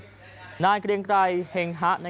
จำนวนนักท่องเที่ยวที่เดินทางมาพักผ่อนเพิ่มขึ้นในปีนี้